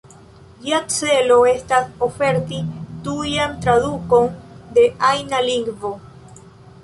Ĝia celo estas oferti tujan tradukon de ajna lingvo.